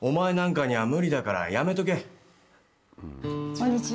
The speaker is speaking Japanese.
こんにちは。